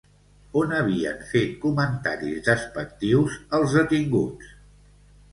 On havien fet comentaris despectius els detinguts?